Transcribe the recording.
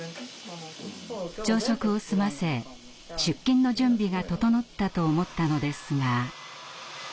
朝食を済ませ出勤の準備が整ったと思ったのですが。